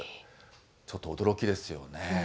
ちょっと驚きですよね。